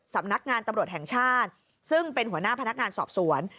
สำนักงานตำรวจแห่งชาติซึ่งเป็นหัวหน้าพนักงานสอบสวน